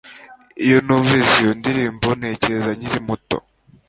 Iyo numvise iyo ndirimbo ntekereza nkiri muto